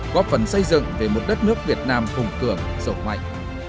góp phần xây dựng về một đất nước việt nam hùng cường rộng mạnh